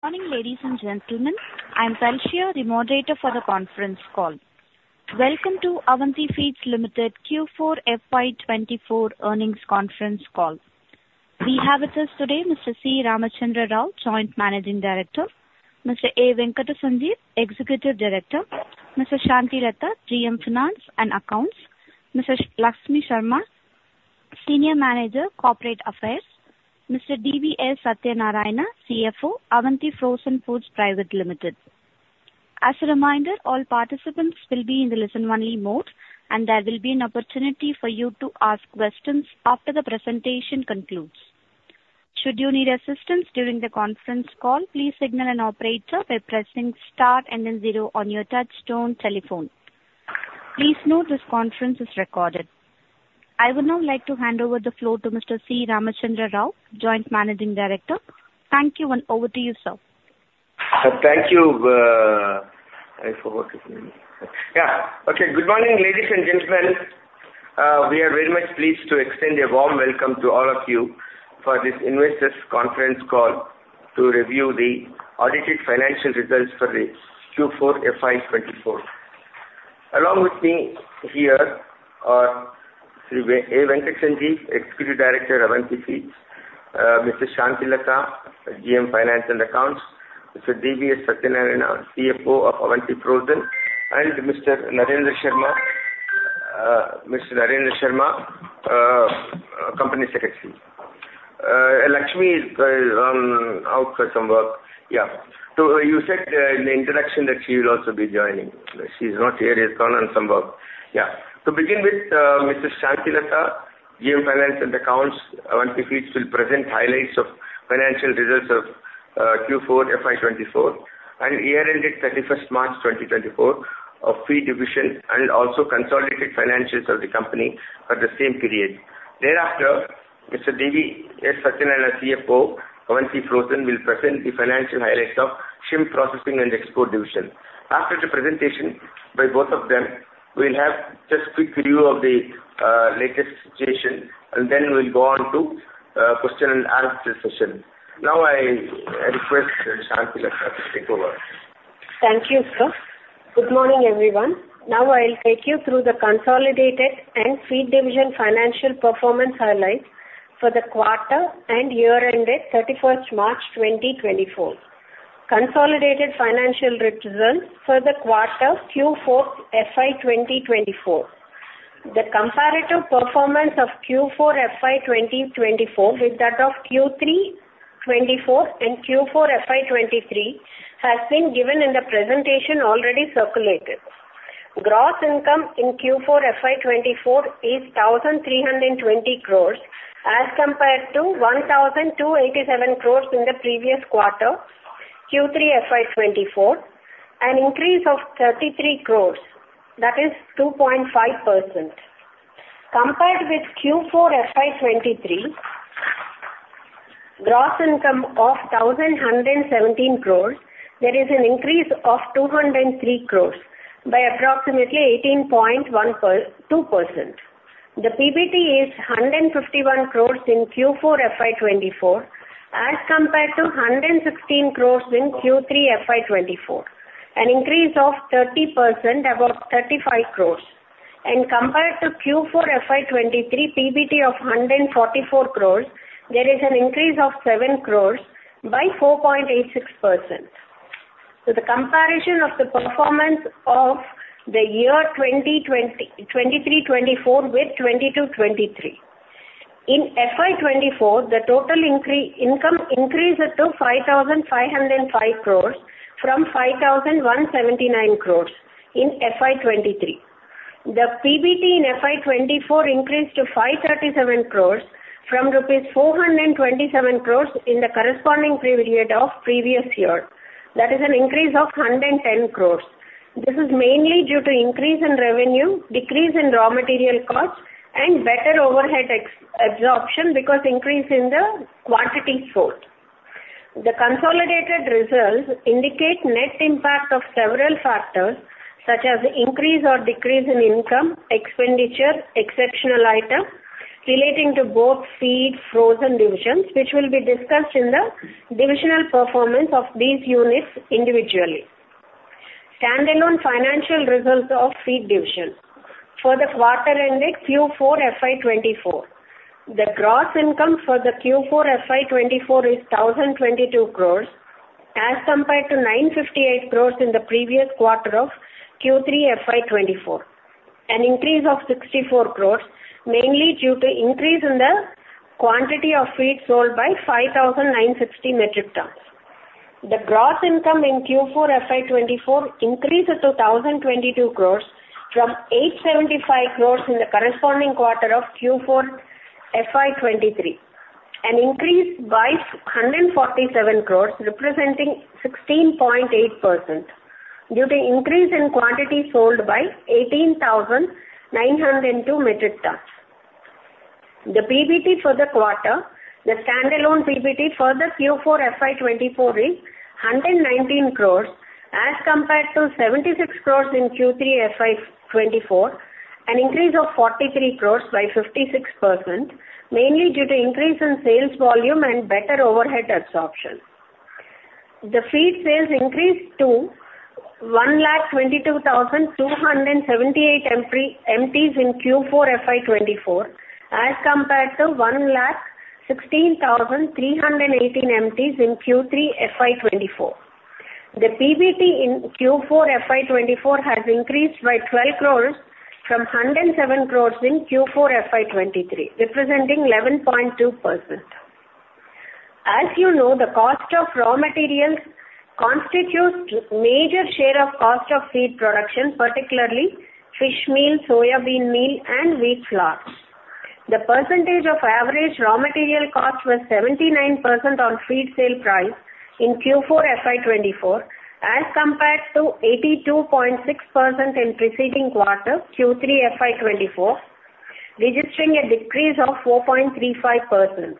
Morning ladies and gentlemen. I'm Belshia, the moderator for the conference call. Welcome to Avanti Feeds Limited Q4 FY 2024 earnings conference call. We have with us today Mr. C. Ramachandra Rao, Joint Managing Director, Mr. A. Venkata Sanjeev, Executive Director, Mrs. C. Santhi Latha, GM Finance and Accounts, Mr. G. Lakshmi Sharma, Senior Manager, Corporate Affairs, Mr. D.V.S. Satyanarayana, CFO, Avanti Frozen Foods Private Limited. As a reminder, all participants will be in the listen-only mode, and there will be an opportunity for you to ask questions after the presentation concludes. Should you need assistance during the conference call, please signal an operator by pressing Start and then zero on your touch-tone telephone. Please note this conference is recorded. I would now like to hand over the floor to Mr. C. Ramachandra Rao, Joint Managing Director. Thank you, and over to you, sir. Thank you for working with me. Yeah. Okay. Good morning, ladies and gentlemen. We are very much pleased to extend a warm welcome to all of you for this investors' conference call to review the audited financial results for the Q4 FY 2024. Along with me here are Mr. A. Venkata Sanjeev, Executive Director, Avanti Feeds; Mrs. Santhi Latha, GM Finance and Accounts; Mr. D.V.S. Satyanarayana, CFO of Avanti Frozen; and Mr. Narendra Sharma, Mr. Narendra Sharma, Company Secretary. Lakshmi is out for some work. Yeah. So, you said in the introduction that she will also be joining. She's not here. She's gone on some work. Yeah. To begin with, Mrs. Santhi Latha, GM Finance and Accounts, Avanti Feeds will present highlights of financial results of Q4 FY 2024 and year-ended 31st March 2024 of Feed Division and also consolidated financials of the company for the same period. Thereafter, Mr. D.V.S. Satyanarayana, CFO, Avanti Frozen, will present the financial highlights ofShrimp Processing and Export Division. After the presentation by both of them, we'll have just a quick review of the latest situation, and then we'll go on to question-and-answer session. Now I request Santhi Latha to take over. Thank you, sir. Good morning, everyone. Now I'll take you through the consolidated and Feed Division financial performance highlights for the quarter and year-ended 31st March 2024. Consolidated financial results for the quarter Q4 FY 2024. The comparative performance of Q4 FY 2024 with that of Q3 2024 and Q4 FY 2023 has been given in the presentation already circulated. Gross income in Q4 FY 2024 is 1,320 crore as compared to 1,287 crore in the previous quarter, Q3 FY 2024, an increase of 33 crore. That is 2.5%. Compared with Q4 FY 2023, gross income of 1,117 crore, there is an increase of 203 crore by approximately 18.2%. The PBT is 151 crore in Q4 FY 2024 as compared to 116 crore in Q3 FY 2024, an increase of 30%, about 35 crore. Compared to Q4 FY 2023, PBT of 144 crore, there is an increase of 7 crore by 4.86%. The comparison of the performance of the year 2023-2024 with 2022-2023. In FY 2024, the total income increased to 5,505 crore from 5,179 crore in FY 2023. The PBT in FY 2024 increased to 537 crore from rupees 427 crore in the corresponding period of previous year. That is an increase of 110 crore. This is mainly due to increase in revenue, decrease in raw material costs, and better overhead absorption because of increase in the quantity sold. The consolidated results indicate net impact of several factors such as increase or decrease in income, expenditure, exceptional items relating to both Feed Frozen Divisions, which will be discussed in the divisional performance of these units individually. Standalone financial results of Feed Division. For the quarter-ended Q4 FY 2024, the gross income for the Q4 FY 2024 is 1,022 crore as compared to 958 crore in the previous quarter of Q3 FY 2024, an increase of 64 crore mainly due to increase in the quantity of feed sold by 5,960 metric tons. The gross income in Q4 FY 2024 increased to 1,022 crore from 875 crore in the corresponding quarter of Q4 FY 2023, an increase by 147 crore representing 16.8% due to increase in quantity sold by 18,902 metric tons. The PBT for the quarter, the standalone PBT for the Q4 FY 2024, is 119 crore as compared to 76 crore in Q3 FY 2024, an increase of 43 crore by 56% mainly due to increase in sales volume and better overhead absorption. The feed sales increased to 122,278 metric tons in Q4 FY 2024 as compared to 116,318 metric tons in Q3 FY 2024. The PBT in Q4 FY 2024 has increased by 12 crore from 107 crore in Q4 FY 2023, representing 11.2%. As you know, the cost of raw materials constitutes a major share of the cost of feed production, particularly fish soybean meal, and wheat flour. The percentage of average raw material cost was 79% on feed sale price in Q4 FY 2024 as compared to 82.6% in the preceding quarter, Q3 FY 2024, registering a decrease of 4.35%.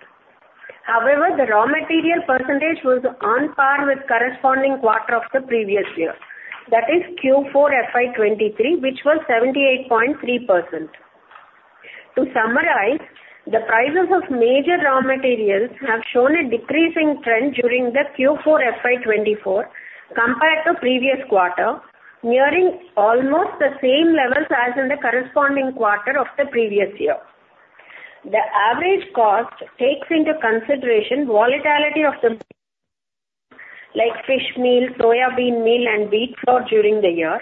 However, the raw material percentage was on par with the corresponding quarter of the previous year. That is Q4 FY 2023, which was 78.3%. To summarize, the prices of major raw materials have shown a decreasing trend during the Q4 FY 2024 compared to the previous quarter, nearing almost the same levels as in the corresponding quarter of the previous year. The average cost takes into consideration the volatility of the feed like fish meal, soybean meal, and wheat flour during the year.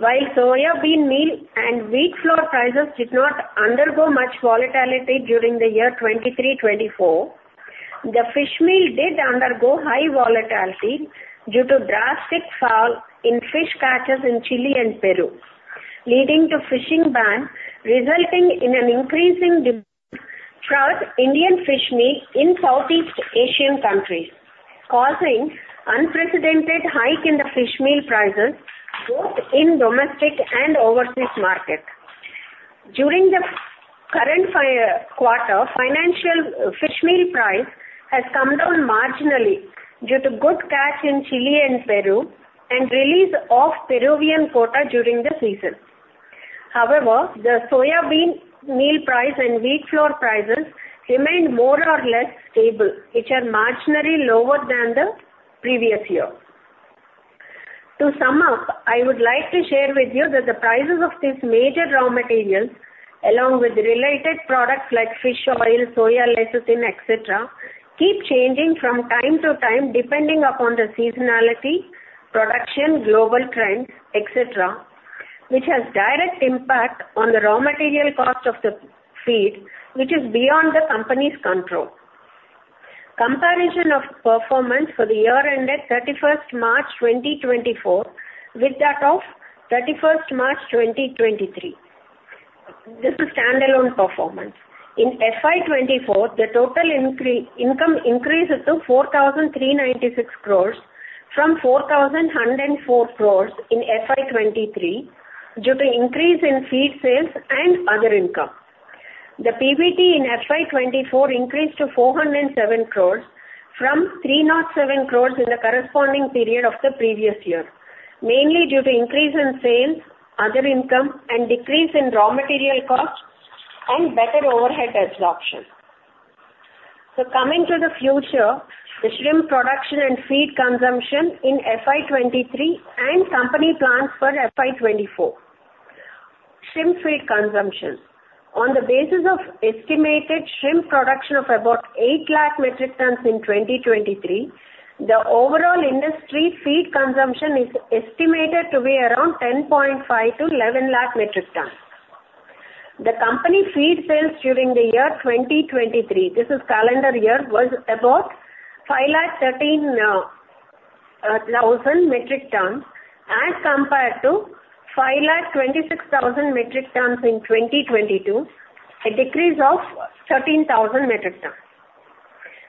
soybean meal and wheat flour prices did not undergo much volatility during the year 2023-2024, the fish meal did undergo high volatility due to drastic falls in fish catches in Chile and Peru, leading to fishing bans resulting in an increasing demand throughout Indian fish meal in Southeast Asian countries, causing an unprecedented hike in the fish meal prices both in the domestic and overseas market. During the current quarter, financial fish meal price has come down marginally due to good catch in Chile and Peru and the release of Peruvian quota during the season. However, soybean meal price and wheat flour prices remained more or less stable, which are marginally lower than the previous year. To sum up, I would like to share with you that the prices of these major raw materials, along with related products like fish oil, soy lecithin, etc., keep changing from time to time depending upon the seasonality, production, global trends, etc., which has a direct impact on the raw material cost of the feed, which is beyond the company's control. Comparison of performance for the year-ended 31st March 2024 with that of 31st March 2023. This is standalone performance. In FY 2024, the total income increased to 4,396 crore from 4,104 crore in FY 2023 due to an increase in feed sales and other income. The PBT in FY 2024 increased to 407 crore from 307 crore in the corresponding period of the previous year, mainly due to an increase in sales, other income, and a decrease in raw material costs and better overhead absorption. Coming to the future, the shrimp production and feed consumption in FY 2023 and company plans for FY 2024. Shrimp feed consumption. On the basis of estimated shrimp production of about 800,000 metric tons in 2023, the overall industry feed consumption is estimated to be around 1,050,000-1,100,000 metric tons. The company feed sales during the year 2023—this is calendar year—was about 513,000 metric tons as compared to 526,000 metric tons in 2022, a decrease of 13,000 metric tons.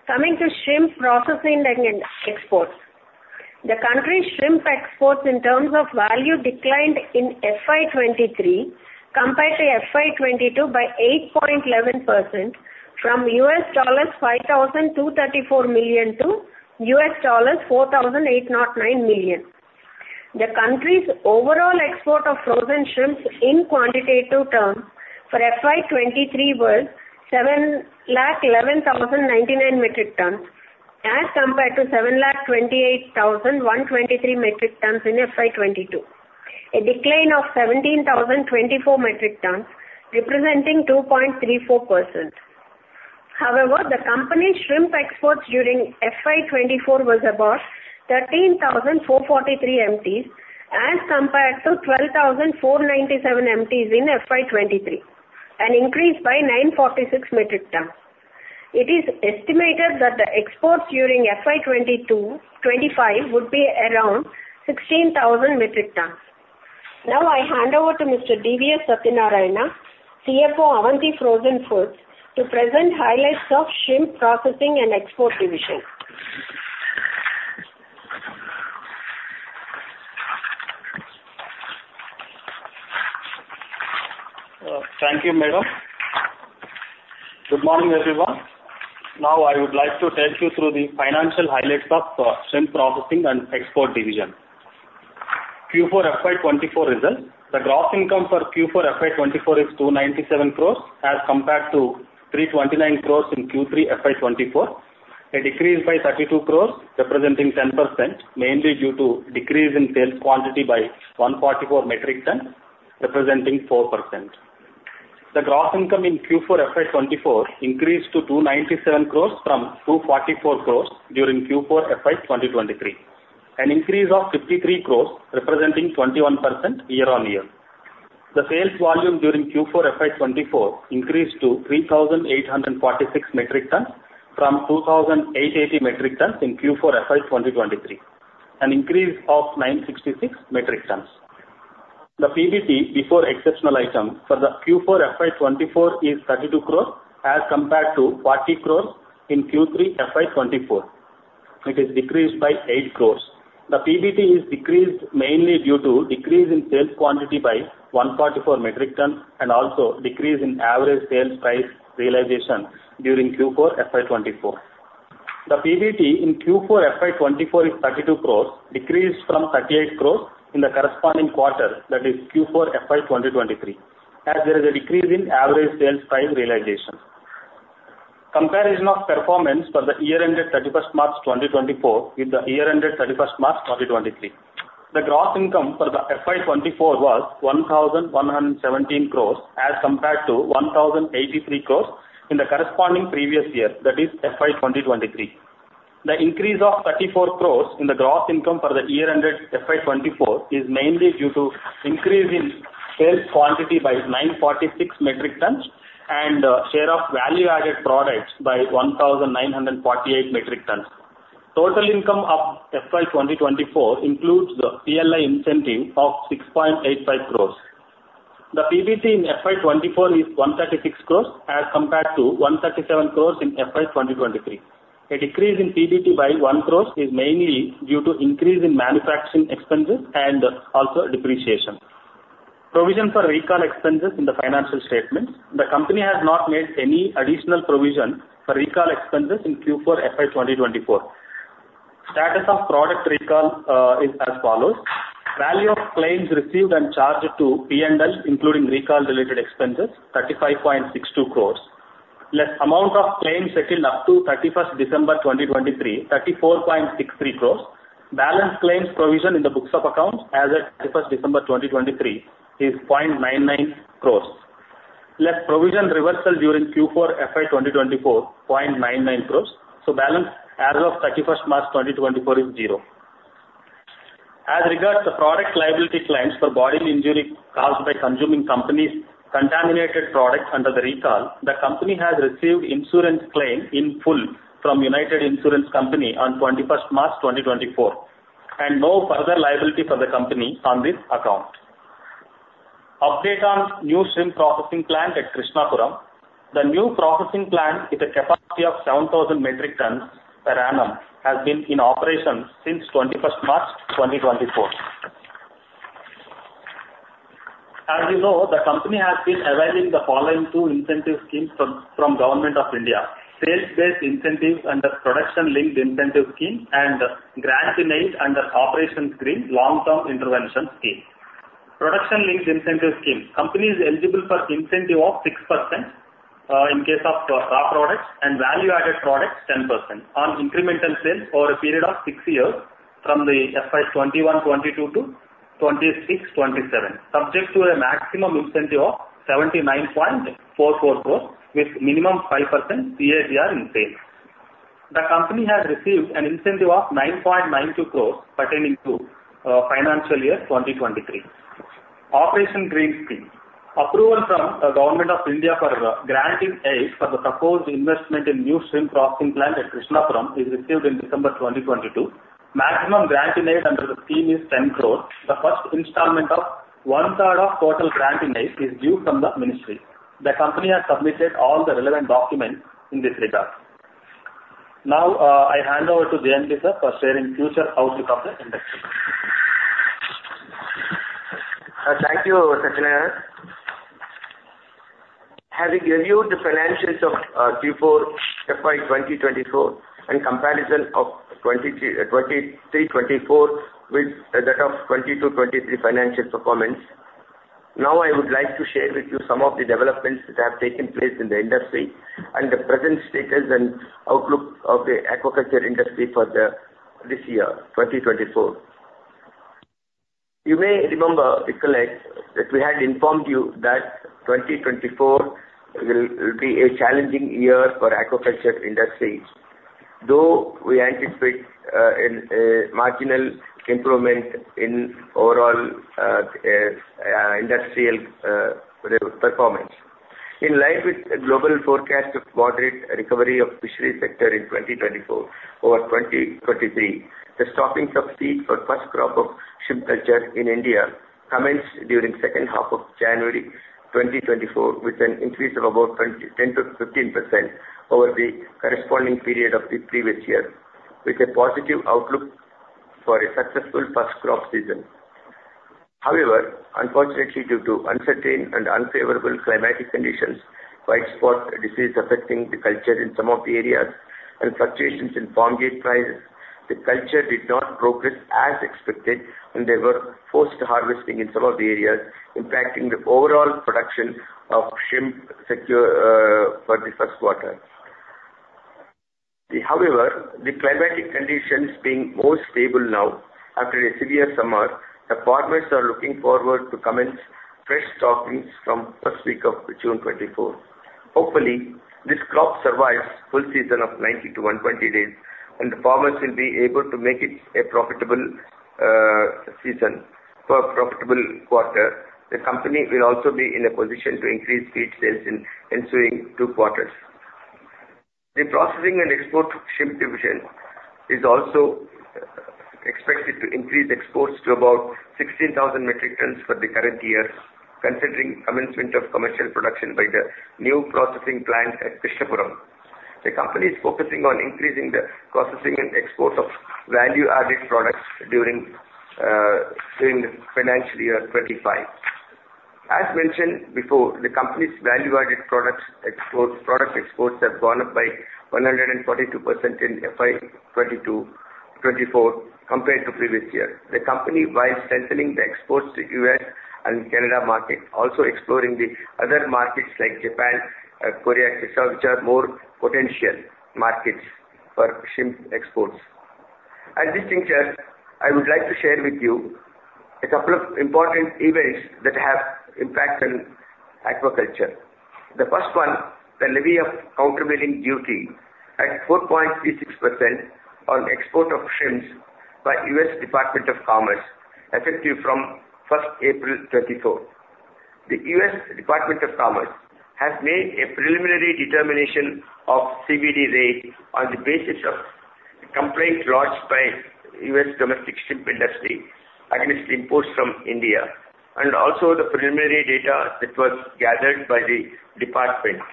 Coming to shrimp processing and exports. The country's shrimp exports in terms of value declined in FY 2023 compared to FY 2022 by 8.11% from $5,234 million to $4,809 million. The country's overall export of frozen shrimp in quantitative terms for FY 2023 was 711,099 metric tons as compared to 728,123 metric tons in FY 2022, a decline of 17,024 metric tons representing 2.34%. However, the company's shrimp exports during FY 2024 were about 13,443 metric tons as compared to 12,497 metric tons in FY 2023, an increase by 946 metric tons. It is estimated that the exports during FY 2025 would be around 16,000 metric tons. Now I hand over to Mr. D.V.S. Satyanarayana, CFO Avanti Frozen Foods, to present highlights of Shrimp Processing and Export Division. Thank you, Madam. Good morning, everyone. Now I would like to take you through the financial highlights of Shrimp Processing and Export Division. Q4 FY 2024 results. The gross income for Q4 FY 2024 is 297 crore as compared to 329 crore in Q3 FY 2024, a decrease by 32 crore representing 10% mainly due to a decrease in sales quantity by 144 metric tons representing 4%. The gross income in Q4 FY 2024 increased to 297 crore from 244 crore during Q4 FY 2023, an increase of 53 crore representing 21% year-on-year. The sales volume during Q4 FY 2024 increased to 3,846 metric tons from 2,880 metric tons in Q4 FY 2023, an increase of 966 metric tons. The PBT before exceptional items for Q4 FY 2024 is 32 crore as compared to 40 crore in Q3 FY 2024. It is decreased by 8 crore. The PBT is decreased mainly due to a decrease in sales quantity by 144 metric tons and also a decrease in average sales price realization during Q4 FY 2024. The PBT in Q4 FY 2024 is 32 crore, decreased from 38 crore in the corresponding quarter, that is Q4 FY 2023, as there is a decrease in average sales price realization. Comparison of performance for the year-ended 31 March 2024 with the year-ended 31 March 2023. The gross income for FY 2024 was 1,117 crore as compared to 1,083 crore in the corresponding previous year, that is FY 2023. The increase of 34 crore in the gross income for the year-ended FY 2024 is mainly due to an increase in sales quantity by 946 metric tons and a share of value-added products by 1,948 metric tons. Total income of FY 2024 includes the PLI incentive of 6.85 crore. The PBT in FY 2024 is 136 crore as compared to 137 crore in FY 2023. A decrease in PBT by 1 crore is mainly due to an increase in manufacturing expenses and also depreciation. Provision for recall expenses in the financial statements. The company has not made any additional provision for recall expenses in Q4 FY2 024. Status of product recall is as follows. Value of claims received and charged to P&L, including recall-related expenses, is 35.62 crore. Amount of claims settled up to 31st December 2023 is 34.63 crore. Balance claims provision in the books of accounts as of 31st December 2023 is 0.99 crore. Provision reversal during Q4 FY 2024 is 0.99 crore, so balance as of 31st March 2024 is zero. As regards to product liability claims for bodily injury caused by consuming company's contaminated products under the recall, the company has received an insurance claim in full from United India Insurance Company on 21st March 2024, and no further liability for the company on this account. Update on the new shrimp processing plant at Krishnapuram. The new processing plant with a capacity of 7,000 metric tons per annum has been in operation since 21st March 2024. As you know, the company has been evaluating the following two incentive schemes from the Government of India: Sales-Based Incentives under the Production Linked Incentive Scheme and Granting Aid under the Operation Greens Long-Term Intervention Scheme. Production Linked Incentive Scheme. The company is eligible for an incentive of 6% in case of raw products and value-added products, 10%, on incremental sales over a period of six years from FY 2021-2022 to 2026-2027, subject to a maximum incentive of 79.44 crore with a minimum of 5% CAGR in sales. The company has received an incentive of 9.92 crore pertaining to financial year 2023. Operation Greens Scheme. Approval from the Government of India for granting aid for the proposed investment in the new shrimp processing plant at Krishnapuram is received in December 2022. The maximum granting aid under the scheme is 10 crore. The first installment of one-third of the total granting aid is due from the ministry. The company has submitted all the relevant documents in this regard. Now I hand over to JMD sir for sharing the future outlook of the industry. Thank you, Satyanarayana. Have you reviewed the financials of Q4 FY 2024 and the comparison of 2023-2024 with that of 2022-2023 financial performance? Now I would like to share with you some of the developments that have taken place in the industry and the present status and outlook of the aquaculture industry for this year, 2024. You may remember, recollect, that we had informed you that 2024 will be a challenging year for the aquaculture industry, though we anticipate a marginal improvement in overall industrial performance. In line with the global forecast of moderate recovery of the fishery sector in 2024 over 2023, the stockings of seed for the first crop of shrimp culture in India commence during the second half of January 2024 with an increase of about 10%-15% over the corresponding period of the previous year, with a positive outlook for a successful first crop season. However, unfortunately, due to uncertain and unfavorable climatic conditions, White Spot Disease affecting the culture in some of the areas, and fluctuations in farm yield prices, the culture did not progress as expected, and they were forced to harvest in some of the areas, impacting the overall production of shrimp for the first quarter. However, with the climatic conditions being more stable now after a severe summer, the farmers are looking forward to coming fresh stockings from the first week of June 2024. Hopefully, this crop survives the full season of 90-120 days, and the farmers will be able to make it a profitable season for a profitable quarter. The company will also be in a position to increase feed sales in the ensuing two quarters. The Processing and Export Shrimp Division is also expected to increase exports to about 16,000 metric tons for the current year, considering the commencement of commercial production by the new processing plant at Krishnapuram. The company is focusing on increasing the processing and exports of value-added products during the financial year 2025. As mentioned before, the company's value-added product exports have gone up by 142% in FY 2024 compared to the previous year. The company, while centralizing the exports to the U.S. and Canada market, is also exploring other markets like Japan and Korea, which are more potential markets for shrimp exports. At this stage, sir, I would like to share with you a couple of important events that have an impact on aquaculture. The first one, the levy of countervailing duty at 4.36% on the export of shrimp by the U.S. Department of Commerce, is effective from April 1, 2024. The U.S. Department of Commerce has made a preliminary determination of the CVD rate on the basis of the complaint launched by the U.S. domestic shrimp industry against imports from India and also the preliminary data that was gathered by the department.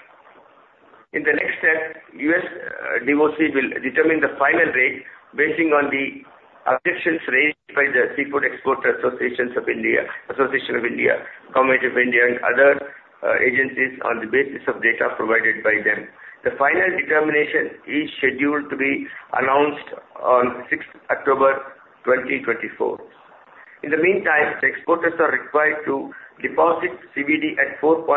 In the next step, the U.S. DOC will determine the final rate based on the objections raised by the Seafood Exporters Association of India, the Association of India, the Government of India, and other agencies on the basis of data provided by them. The final determination is scheduled to be announced on October 6, 2024. In the meantime, the exporters are required to deposit CVD at 4.36%,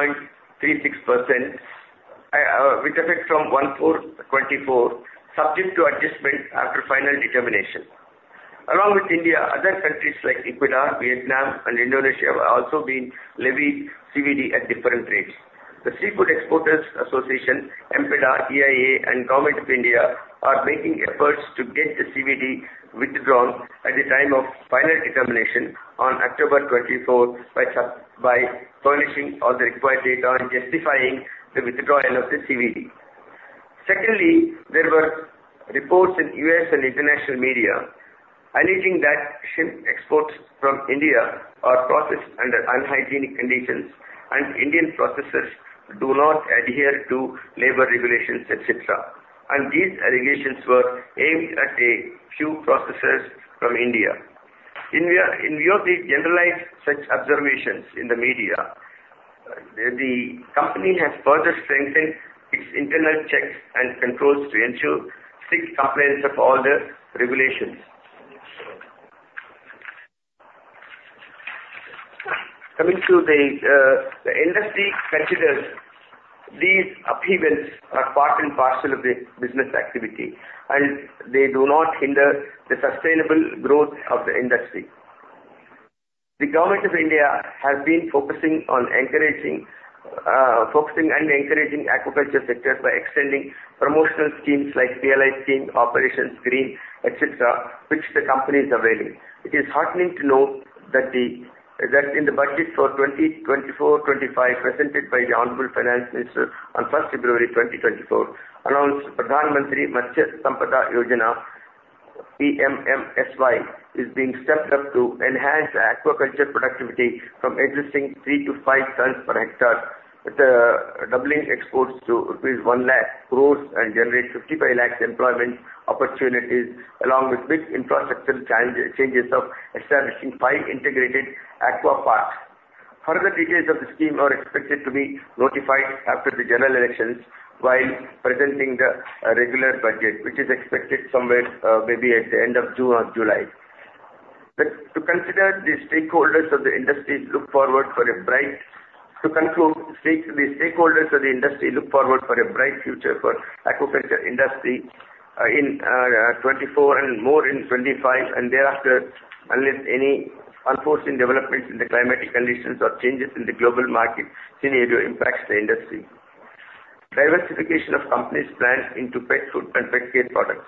which affects from 1/4/2024, subject to adjustment after the final determination. Along with India, other countries like Ecuador, Vietnam, and Indonesia have also been levied CVD at different rates. The Seafood Exporters Association, MPEDA, EIA, and the Government of India are making efforts to get the CVD withdrawn at the time of the final determination on October 2024 by furnishing all the required data and justifying the withdrawal of the CVD. Secondly, there were reports in the U.S. and international media alleging that shrimp exports from India are processed under unhygienic conditions and Indian processors do not adhere to labor regulations, etc. And these allegations were aimed at a few processors from India. In view of the generalized such observations in the media, the company has further strengthened its internal checks and controls to ensure strict compliance of all the regulations. Coming to the industry, considers these upheavals are part and parcel of the business activity, and they do not hinder the sustainable growth of the industry. The Government of India has been focusing on and encouraging the aquaculture sector by extending promotional schemes like the PLI scheme, Operation Green, et cetera, which the company is availing. It is heartening to note that in the budget for 2024-2025 presented by the Honorable Finance Minister on 1st February 2024, it announced that the Pradhan Mantri Matsya Sampada Yojana, PMMSY, is being stepped up to enhance aquaculture productivity from existing 3 to 5 tons per hectare, doubling exports to rupees 1 lakh crore and generating 55 lakh crore rupees employment opportunities, along with big infrastructure changes of establishing five integrated aqua parks. Further details of the scheme are expected to be notified after the general elections while presenting the regular budget, which is expected somewhere maybe at the end of June or July. To consider, the stakeholders of the industry look forward to a bright future. The stakeholders of the industry look forward to a bright future for the aquaculture industry in 2024 and more in 2025, and thereafter, unless any unforeseen developments in the climatic conditions or changes in the global market scenario impact the industry. Diversification of the company's plans into Pet Food and Pet Care products.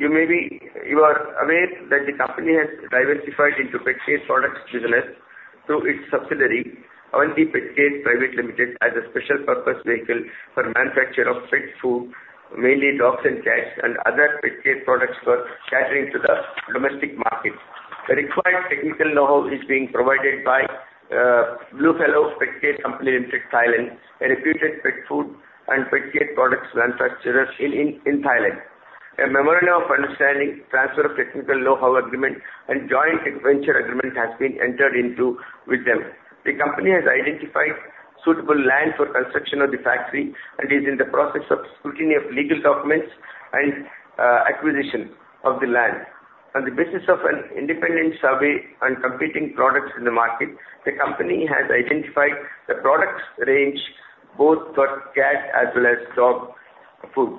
You may be aware that the company has diversified into Pet Care products business through its subsidiary, Avanti Pet Care Private Limited, as a special purpose vehicle for the manufacture of PetFood, mainly dogs and cats, and other Pet Care products for catering to the domestic market. The required technical know-how is being provided by Bluefalo Company Limited, Thailand, a reputed Pet Food and Pet Care products manufacturer in Thailand. A memorandum of understanding, transfer of technical know-how agreement, and joint venture agreement has been entered into with them. The company has identified suitable land for the construction of the factory and is in the process of scrutiny of legal documents and acquisition of the land. On the basis of an independent survey on competing products in the market, the company has identified the product range both for cat as well as dog food.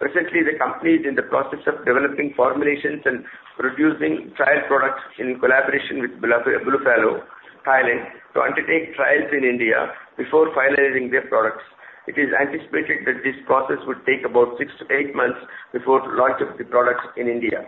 Presently, the company is in the process of developing formulations and producing trial products in collaboration with Bluefalo, Thailand, to undertake trials in India before finalizing their products. It is anticipated that this process would take about six to eight months before the launch of the products in India.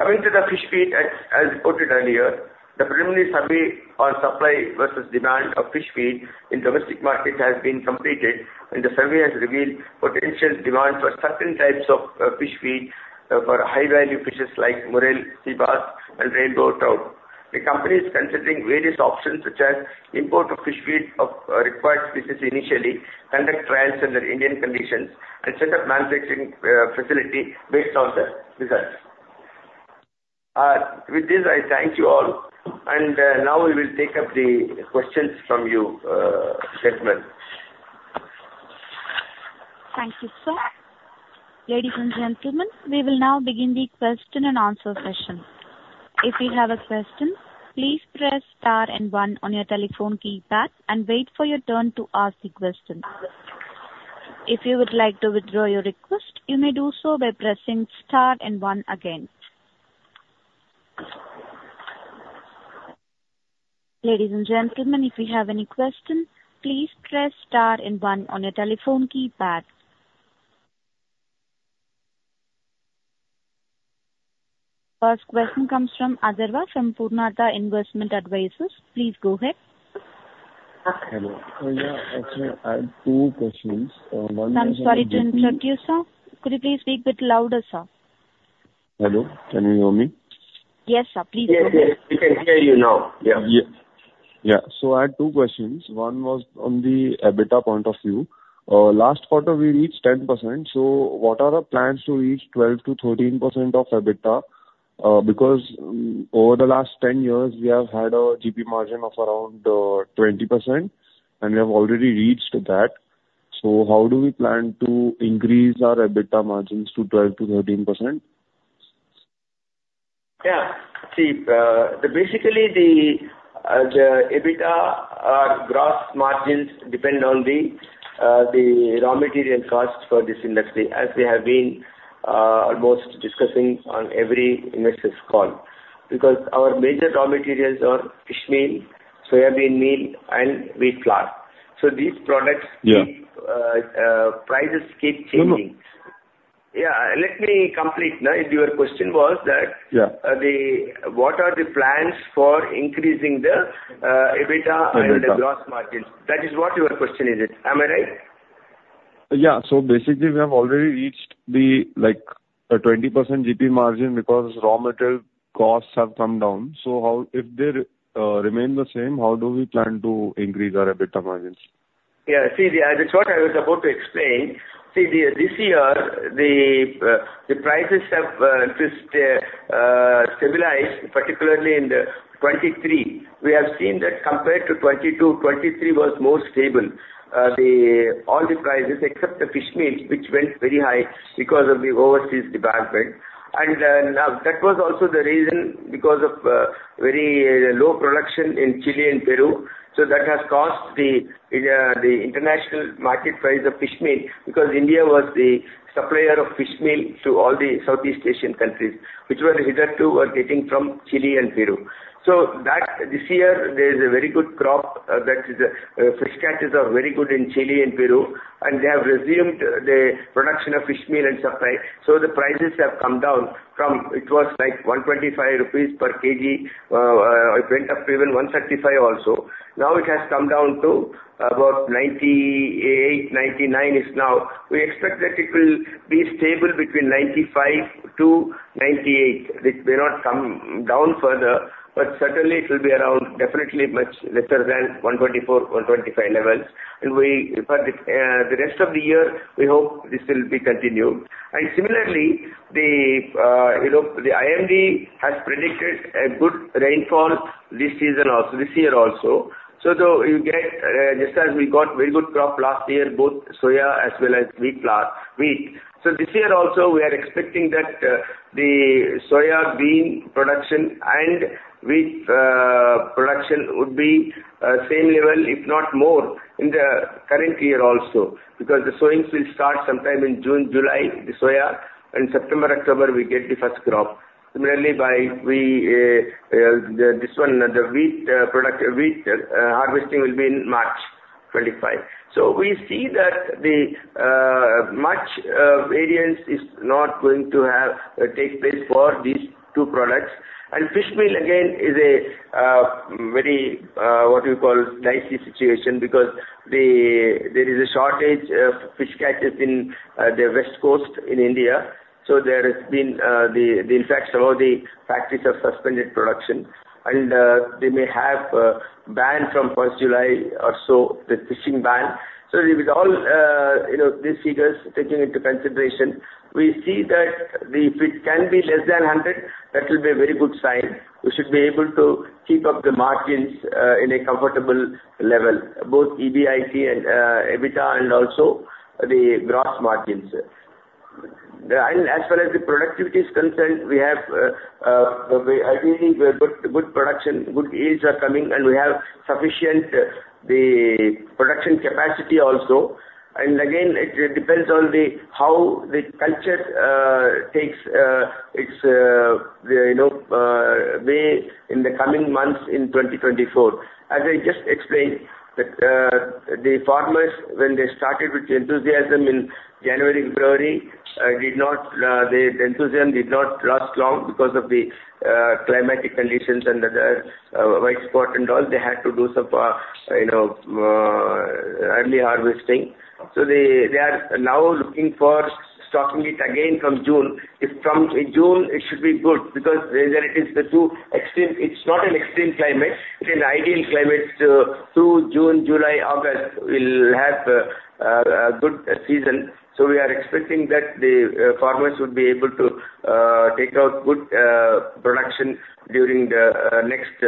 Coming to the Fish Feed, as reported earlier, the preliminary survey on supply versus demand of Fish Feed in the domestic market has been completed, and the survey has revealed potential demand for certain types of Fish Feed for high-value fishes like Murrel, Sea Bass, and Rainbow Trout. The company is considering various options such as importing Fish Feed of required species initially, conducting trials under Indian conditions, and setting up a manufacturing facility based on the results. With this, I thank you all, and now we will take up the questions from you, gentlemen. Thank you, sir. Ladies and gentlemen, we will now begin the question-and-answer session. If you have a question, please press star and one on your telephone keypad and wait for your turn to ask the question. If you would like to withdraw your request, you may do so by pressing star and one again. Ladies and gentlemen, if you have any question, please press star and one on your telephone keypad. The first question comes from Atharva from Purnartha Investment Advisers. Please go ahead. Hello. Yeah, actually, I have two questions. One is. I'm sorry to interrupt you, sir. Could you please speak a bit louder, sir? Hello. Can you hear me? Yes, sir. Please go ahead. Yes, yes. We can hear you now. Yeah. Yeah. So I have two questions. One was on the EBITDA point of view. Last quarter, we reached 10%, so what are the plans to reach 12%-13% of EBITDA? Because over the last 10 years, we have had a GP margin of around 20%, and we have already reached that. So how do we plan to increase our EBITDA margins to 12%-13%? Yeah. See, basically, the EBITDA or gross margins depend on the raw material cost for this industry, as we have been almost discussing on every investor's call, because our major raw materials are fish meal, soybean meal, and Wheat Flour. So these products, the prices keep changing. Yeah. Let me complete. Your question was that what are the plans for increasing the EBITDA and the gross margins? That is what your question is. Am I right? Yeah. So basically, we have already reached a 20% GP margin because raw material costs have come down. So if they remain the same, how do we plan to increase our EBITDA margins? Yeah. See, that's what I was about to explain. See, this year, the prices have just stabilized, particularly in 2023. We have seen that compared to 2022, 2023 was more stable, all the prices except the fish meal, which went very high because of the overseas demand. And now that was also the reason because of very low production in Chile and Peru. So that has caused the international market price of fish meal because India was the supplier of fish meal to all the Southeast Asian countries, which were hitherto getting from Chile and Peru. So this year, there is a very good crop that is fish catches are very good in Chile and Peru, and they have resumed the production of fish meal and supply. So the prices have come down from it was like 125 rupees per kilogram. It went up to even 135 also. Now it has come down to about 98, 99 now. We expect that it will be stable between 95-98. It may not come down further, but certainly, it will be around definitely much lesser than 124-125 levels. For the rest of the year, we hope this will be continued. Similarly, the IMD has predicted a good rainfall this season also, this year also. So though you get just as we got very good crop last year, both soya as well as wheat flour, wheat. So this year also, we are expecting that the soyabean production and wheat production would be the same level, if not more, in the current year also because the sowings will start sometime in June, July, the soya, and September, October, we get the first crop. Similarly, this one, the wheat harvesting will be in March 2025. So we see that the March variance is not going to take place for these two products. And fish meal, again, is a very, what do you call, dicey situation because there is a shortage of fish catches in the West Coast in India. So there has been the impact of all the factories of suspended production, and they may have a ban from 1st July or so, the fishing ban. So with all these figures taken into consideration, we see that if it can be less than 100, that will be a very good sign. We should be able to keep up the margins in a comfortable level, both EBIT and EBITDA and also the gross margins. And as far as the productivity is concerned, we have ideally good production, good yields are coming, and we have sufficient production capacity also. Again, it depends on how the culture takes its way in the coming months in 2024. As I just explained, the farmers, when they started with the enthusiasm in January, February, the enthusiasm did not last long because of the climatic conditions and the white spot and all. They had to do some early harvesting. So they are now looking for stocking it again from June. If from June, it should be good because there it is, the two extreme. It's not an extreme climate. It's an ideal climate. Through June, July, August, we'll have a good season. So we are expecting that the farmers would be able to take out good production during the next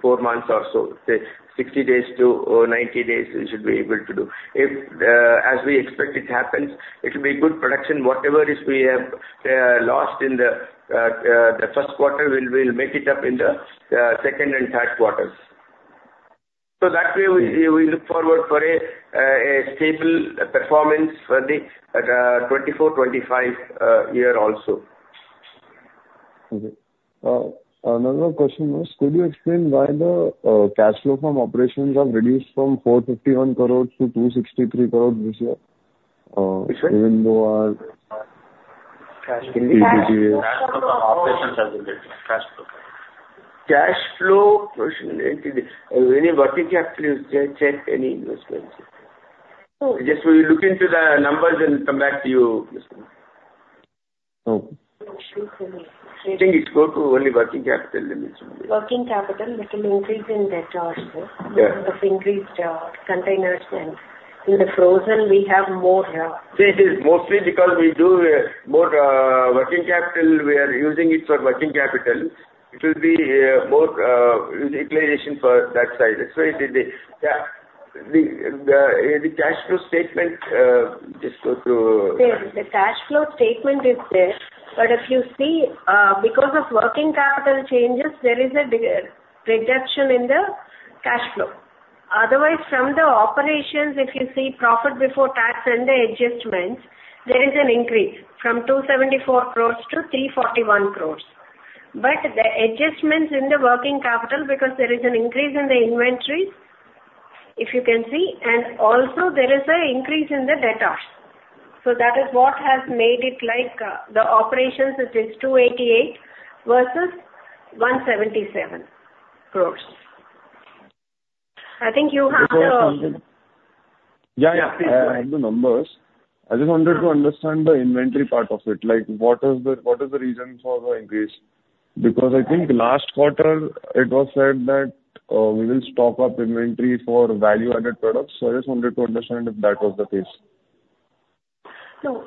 four months or so, say, 60-90 days, we should be able to do. As we expect it happens, it will be good production. Whatever is we have lost in the first quarter, we'll make it up in the second and third quarters. So that way, we look forward to a stable performance for the 2024-25 year also. Okay. Another question was, could you explain why the cash flow from operations have reduced from 451 crore to 263 crore this year, even though our EPG has? Cash flow from operations has reduced. Cash flow. Cash flow question, any working capital? Check any investments. Just we look into the numbers and come back to you, Mr. Okay. I think it's going to only working capital limits. Working capital, but an increase in debt also of increased containers. In the frozen, we have more raw. See, it is mostly because we do more working capital. We are using it for working capital. It will be more utilization for that side. That's why the cash flow statement, just go to. There. The cash flow statement is there. But if you see, because of working capital changes, there is a reduction in the cash flow. Otherwise, from the operations, if you see profit before tax and the adjustments, there is an increase from 274 crore to 341 crore. But the adjustments in the working capital, because there is an increase in the inventory, if you can see, and also, there is an increase in the debt also. So that is what has made it like the operations, it is 288 crore versus 177 crore. I think you have the. No. Yeah, yeah. I have the numbers. I just wanted to understand the inventory part of it. What is the reason for the increase? Because I think last quarter, it was said that we will stock up inventory for value-added products. So I just wanted to understand if that was the case. No.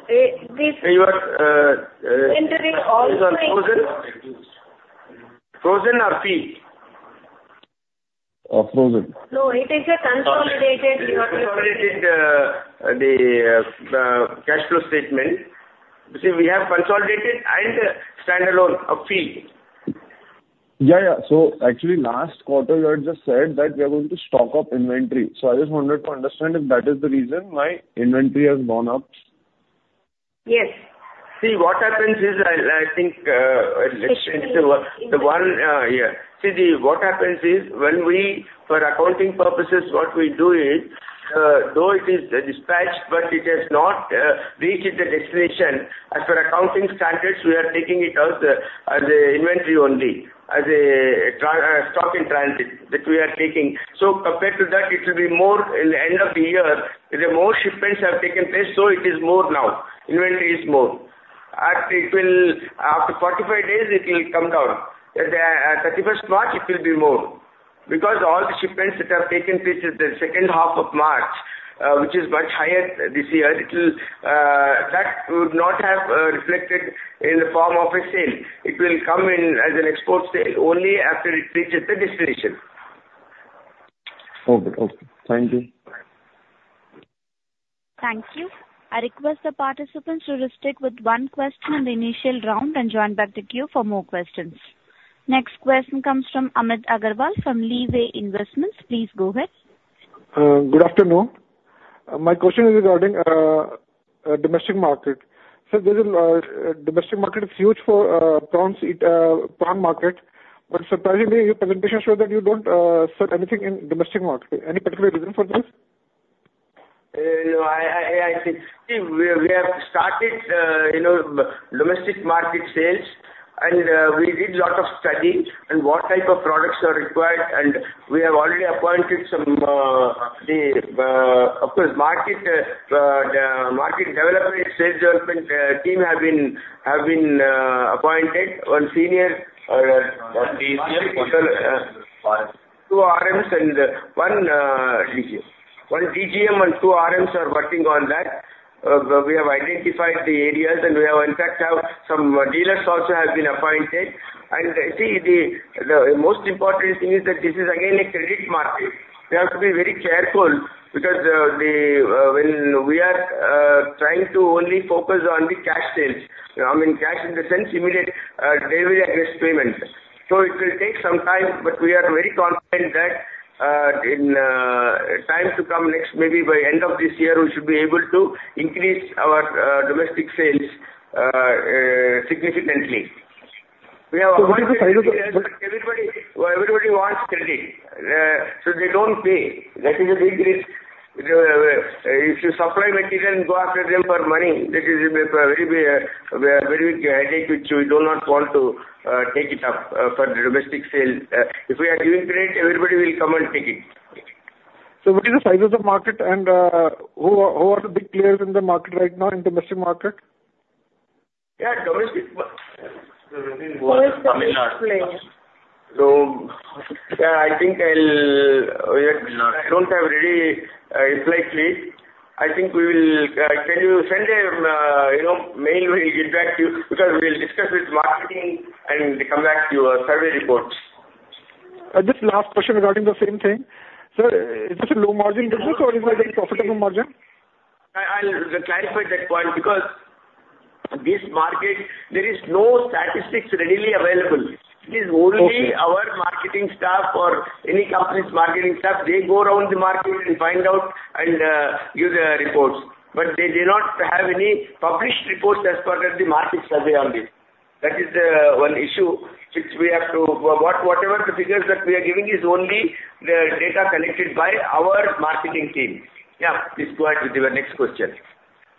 This. Inventory all. Is on frozen? Frozen or feed? Frozen. No, it is a consolidated. We consolidated the cash flow statement. See, we have consolidated and standalone of feed. Yeah, yeah. So actually, last quarter, you had just said that we are going to stock up inventory. So I just wanted to understand if that is the reason why inventory has gone up. Yes. See, what happens is, for accounting purposes, what we do is, though it is dispatched, but it has not reached the destination. As for accounting standards, we are taking it as inventory only, as a stock in transit that we are taking. So compared to that, it will be more in the end of the year, the more shipments have taken place, so it is more now. Inventory is more. After 45 days, it will come down. On 31st March, it will be more because all the shipments that have taken place in the second half of March, which is much higher this year, that would not have reflected in the form of a sale. It will come in as an export sale only after it reaches the destination. Okay. Okay. Thank you. Thank you. I request the participants to restrict with one question in the initial round and join back the queue for more questions. Next question comes from Amit Agarwal from Leeway Investments. Please go ahead. Good afternoon. My question is regarding a domestic market. Sir, the domestic market is huge for prawn market, but surprisingly, your presentation showed that you don't sell anything in the domestic market. Any particular reason for this? No. I think we have started domestic market sales, and we did a lot of studying on what type of products are required. We have already appointed some, of course, market development, sales development team have been appointed, one senior. One DGM? Two RMs and one DGM. One DGM and two RMs are working on that. We have identified the areas, and we have, in fact, some dealers also have been appointed. And see, the most important thing is that this is, again, a credit market. We have to be very careful because when we are trying to only focus on the cash sales, I mean, cash in the sense immediate daily address payment. So it will take some time, but we are very confident that in time to come next, maybe by end of this year, we should be able to increase our domestic sales significantly. We have appointed dealers, but everybody wants credit, so they don't pay. That is a big risk. If you supply material and go after them for money, that is a very big headache, which we do not want to take it up for the domestic sale. If we are giving credit, everybody will come and take it. What is the size of the market, and who are the big players in the market right now in the domestic market? Yeah. Domestic. Who is the big player? Yeah. I think I don't have ready inflight lead. I think we will can you send a mail? We will get back to you because we will discuss with marketing and come back to your survey reports. Just last question regarding the same thing. Sir, is this a low-margin business, or is it a profitable margin? I'll clarify that point because this market, there is no statistics readily available. It is only our marketing staff or any company's marketing staff. They go around the market and find out and give the reports, but they do not have any published reports as far as the market survey on this. That is one issue which we have to whatever the figures that we are giving is only the data collected by our marketing team. Yeah. Please go ahead with your next question.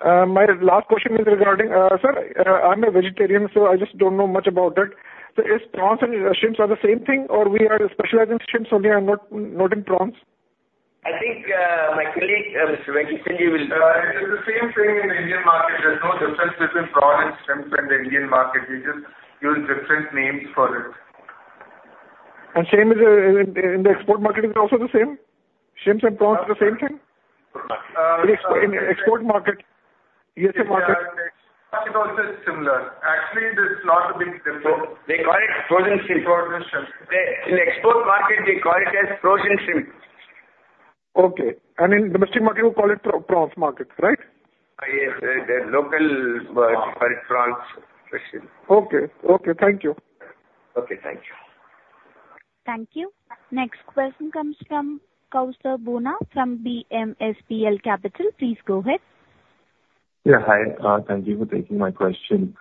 My last question is regarding, sir. I'm a vegetarian, so I just don't know much about it. So, is prawns and shrimps are the same thing, or we are specializing in shrimps only and not in prawns? I think my colleague, Mr. Venkata Sanjeev, will. It's the same thing in the Indian market. There's no difference between prawn and shrimps in the Indian market. We just use different names for it. Same as in the export market, is it also the same? Shrimps and prawns, the same thing? In the export market, U.S.A. market? Market also is similar. Actually, there's not a big difference. They call it frozen shrimp. In the export market, they call it as frozen shrimp. Okay. In the domestic market, we call it prawn market, right? Yes. Locally we call it prawn fish. Okay. Okay. Thank you. Okay. Thank you. Thank you. Next question comes from Kaustav Bubna from BMSPL Capital. Please go ahead. Yeah. Hi. Thank you for taking my question.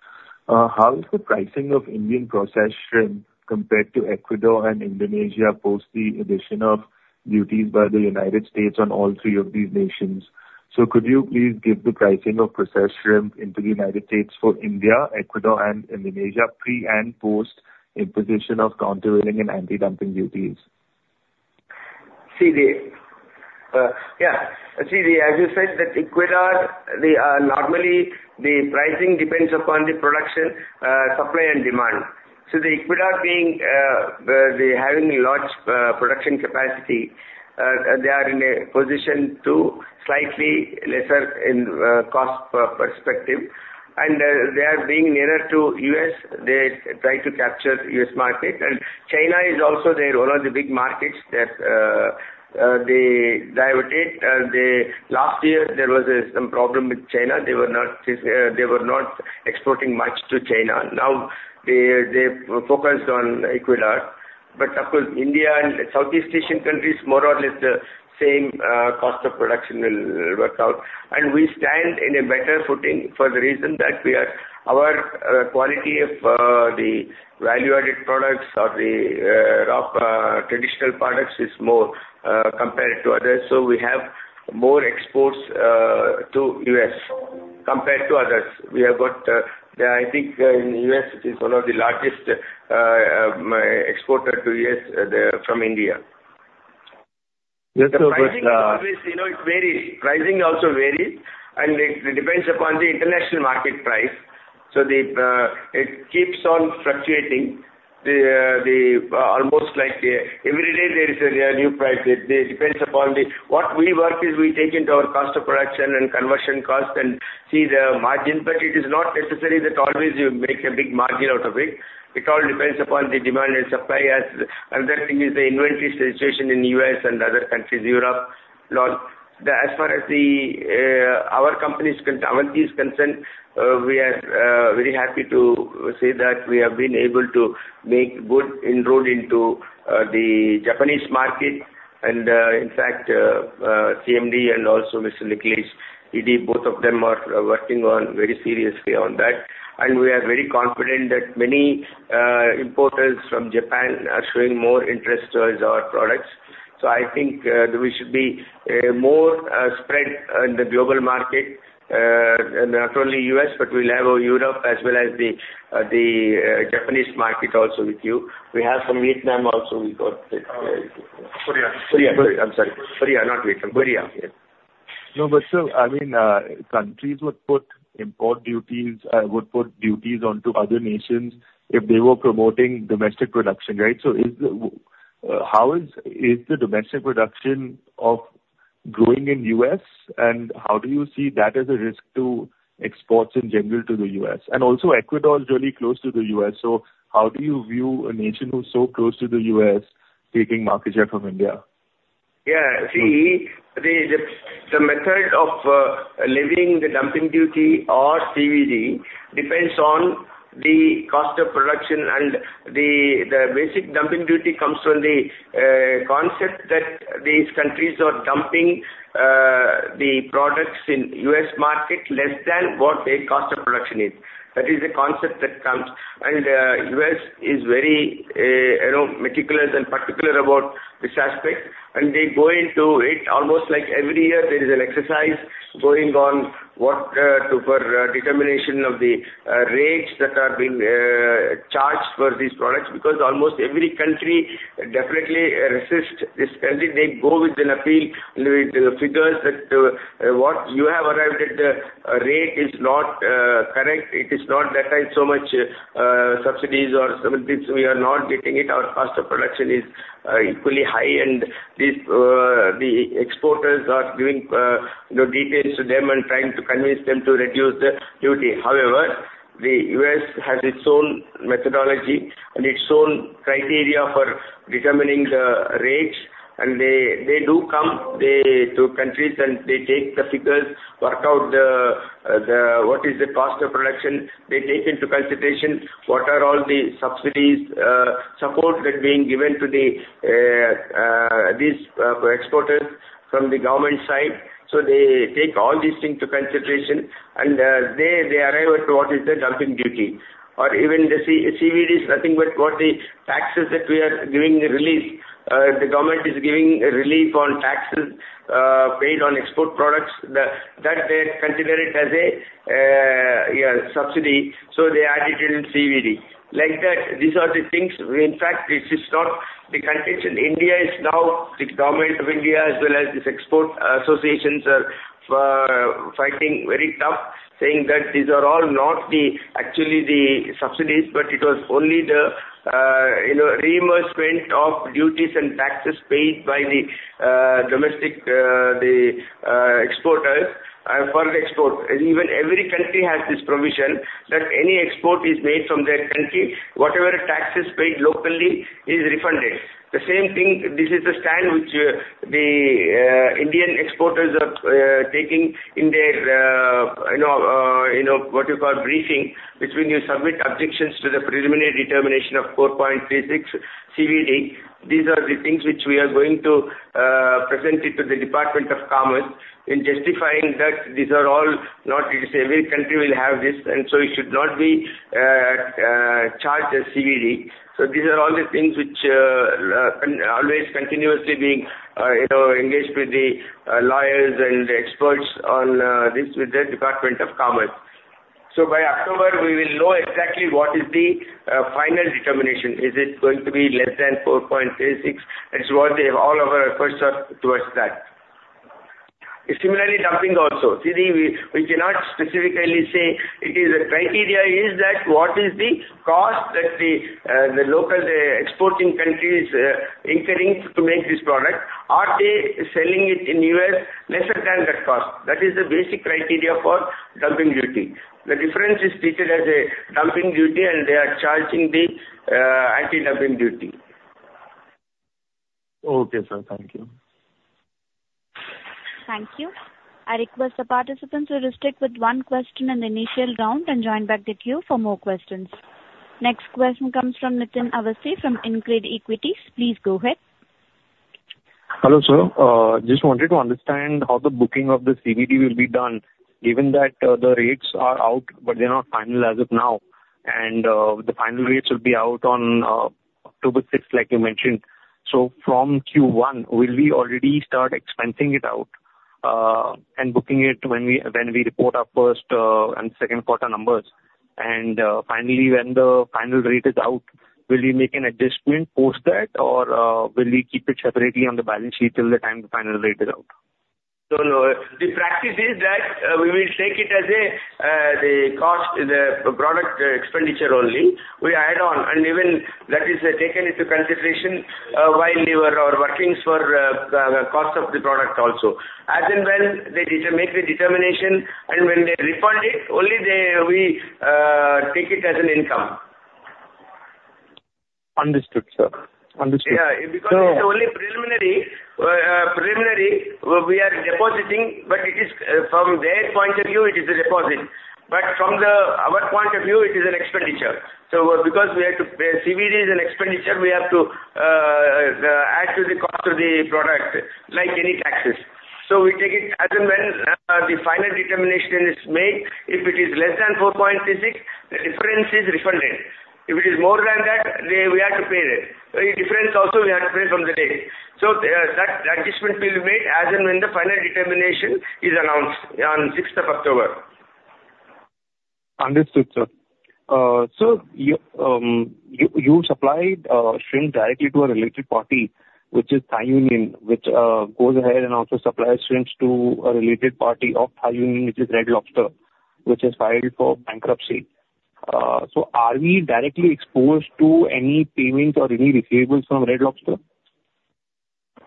How is the pricing of Indian processed shrimp compared to Ecuador and Indonesia post the addition of duties by the United States on all three of these nations? So could you please give the pricing of processed shrimp into the United States for India, Ecuador, and Indonesia pre and post imposition of countervailing and anti-dumping duties? See, yeah. See, as you said, that Ecuador, normally, the pricing depends upon the production, supply, and demand. So, Ecuador, having large production capacity, they are in a position to slightly lesser in cost perspective. And they are being nearer to U.S. They try to capture U.S. market. And China is also one of the big markets that they diverted. Last year, there was some problem with China. They were not exporting much to China. Now, they focused on Ecuador. But of course, India and Southeast Asian countries, more or less, the same cost of production will work out. And we stand in a better footing for the reason that our quality of the value-added products or the traditional products is more compared to others. So we have more exports to U.S. compared to others. I think in the U.S., it is one of the largest exporters to U.S. from India. Yes. But. Pricing always varies. Pricing also varies, and it depends upon the international market price. It keeps on fluctuating. Almost every day, there is a new price. It depends upon what we work is we take into our cost of production and conversion cost and see the margin. It is not necessary that always you make a big margin out of it. It all depends upon the demand and supply. Another thing is the inventory situation in the U.S. and other countries, Europe. As far as our company's concern, we are very happy to say that we have been able to make good inroad into the Japanese market. In fact, CMD and also Mr. Nikhilesh, he did both of them are working very seriously on that. We are very confident that many importers from Japan are showing more interest towards our products. So I think we should be more spread in the global market, not only U.S., but we'll have Europe as well as the Japanese market also with you. We have from Vietnam also. We got it. Korea. Korea. I'm sorry. Korea, not Vietnam. Korea. Yeah. No. But sir, I mean, countries would put import duties onto other nations if they were promoting domestic production, right? So how is the domestic production growing in the U.S., and how do you see that as a risk to exports in general to the U.S.? And also, Ecuador is really close to the U.S. So how do you view a nation who's so close to the U.S. taking market share from India? Yeah. See, the method of levying the dumping duty or CVD depends on the cost of production. And the basic dumping duty comes from the concept that these countries are dumping the products in the U.S. market less than what their cost of production is. That is the concept that comes. And the U.S. is very meticulous and particular about this aspect. And they go into it almost like every year, there is an exercise going on for determination of the rates that are being charged for these products because almost every country definitely resists this country. They go with an appeal with figures that, "What you have arrived at, the rate is not correct. It is not that there are so much subsidies or something. We are not getting it. Our cost of production is equally high." The exporters are giving details to them and trying to convince them to reduce the duty. However, the U.S. has its own methodology and its own criteria for determining the rates. They do come to countries, and they take the figures, work out what is the cost of production. They take into consideration what are all the subsidies, support that's being given to these exporters from the government side. They take all these things into consideration, and they arrive at what is the dumping duty. Or even the CVD is nothing but what the taxes that we are giving release. The government is giving relief on taxes paid on export products. They consider it as a subsidy, so they add it in CVD. Like that, these are the things. In fact, it's not the contention. India is now, the government of India as well as these export associations are fighting very tough, saying that these are all not actually the subsidies, but it was only the reimbursement of duties and taxes paid by the exporters for the export. Even every country has this provision that any export is made from their country, whatever taxes paid locally is refunded. The same thing, this is the stand which the Indian exporters are taking in their, what you call, briefing, which when you submit objections to the preliminary determination of 4.36 CVD, these are the things which we are going to present to the Department of Commerce in justifying that these are all not every country will have this, and so it should not be charged as CVD. So these are all the things which are always continuously being engaged with the lawyers and experts on this with the Department of Commerce. So by October, we will know exactly what is the final determination. Is it going to be less than 4.36? That's what all of our efforts are towards that. Similarly, dumping also. See, we cannot specifically say it is a criteria is that what is the cost that the local exporting countries incur to make this product? Are they selling it in the U.S. lesser than that cost? That is the basic criteria for dumping duty. The difference is treated as a dumping duty, and they are charging the anti-dumping duty. Okay, sir. Thank you. Thank you. I request the participants to restrict with one question in the initial round and join back the queue for more questions. Next question comes from Nitin Awasthi from InCred Equities. Please go ahead. Hello, sir. Just wanted to understand how the booking of the CVD will be done. Given that the rates are out, but they're not final as of now. The final rates will be out on October 6th, like you mentioned. So from Q1, will we already start expensing it out and booking it when we report our first and second quarter numbers? And finally, when the final rate is out, will we make an adjustment post that, or will we keep it separately on the balance sheet till the time the final rate is out? So, no. The practice is that we will take it as the product expenditure only. We add on. And even that is taken into consideration while we are working for the cost of the product also. As and when they make the determination, and when they refund it, only we take it as an income. Understood, sir. Understood. Yeah. Because it is only preliminary. Preliminary, we are depositing, but from their point of view, it is a deposit. But from our point of view, it is an expenditure. So because CVD is an expenditure, we have to add to the cost of the product like any taxes. So we take it as and when the final determination is made. If it is less than 4.36, the difference is refunded. If it is more than that, we have to pay it. The difference also, we have to pay from the day. So that adjustment will be made as and when the final determination is announced on 6th of October. Understood, sir. So you supplied shrimps directly to a related party, which is Thai Union, which goes ahead and also supplies shrimps to a related party of Thai Union, which is Red Lobster, which has filed for bankruptcy. So are we directly exposed to any payments or any receivables from Red Lobster?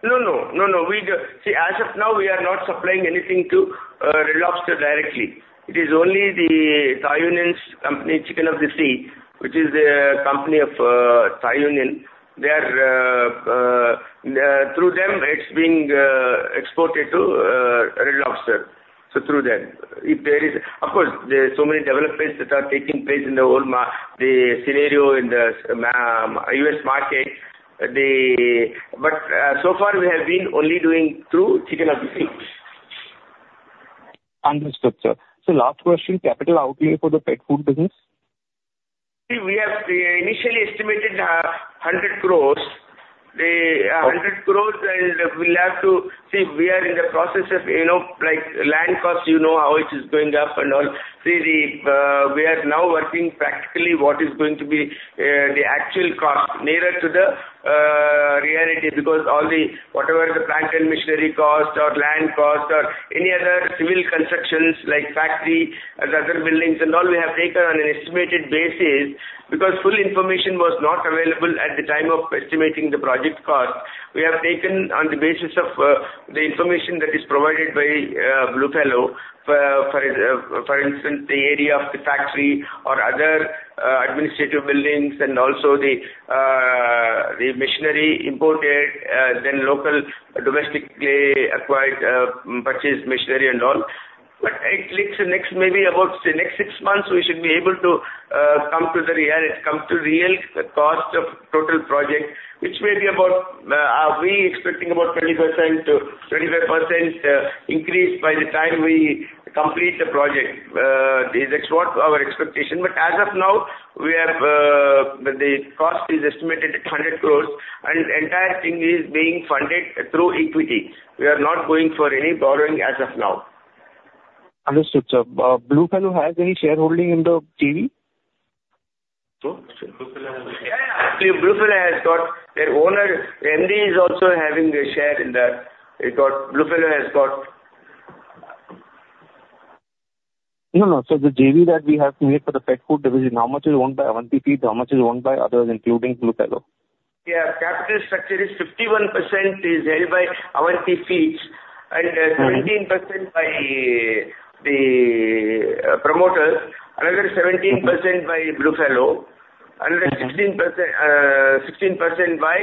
No, no. No, no. See, as of now, we are not supplying anything to Red Lobster directly. It is only the Thai Union's company, Chicken of the Sea, which is the company of Thai Union. Through them, it's being exported to Red Lobster. So through them, if there is, of course, there are so many developments that are taking place in the whole scenario in the U.S. market. But so far, we have been only doing through Chicken of the Sea. Understood, sir. So last question, capital outlay for the Pet Food business? See, we have initially estimated 100 crore. 100 crore, and we'll have to see, we are in the process of land costs. You know how it is going up and all. See, we are now working practically what is going to be the actual cost nearer to the reality because whatever the plant and machinery cost or land cost or any other civil constructions like factory, the other buildings, and all, we have taken on an estimated basis because full information was not available at the time of estimating the project cost. We have taken on the basis of the information that is provided by Bluefalo, for instance, the area of the factory or other administrative buildings and also the machinery imported, then local domestically acquired purchase machinery and all. But it looks maybe about the next six months, we should be able to come to the reality, come to the real cost of total project, which may be about we are expecting about 20%-25% increase by the time we complete the project. That's what our expectation. But as of now, the cost is estimated at 100 crore, and the entire thing is being funded through equity. We are not going for any borrowing as of now. Understood, sir. Bluefalo has any shareholding in the JV? Bluefalo has got their owner. MD is also having a share in that. Bluefalo has got. No, no. So the JV that we have made for the Pet Food Division, how much is owned by Avanti Feeds? How much is owned by others including Bluefalo? Yeah. Capital structure is 51% is held by Avanti Feeds and 17% by the promoters, another 17% by Bluefalo, and then 16% by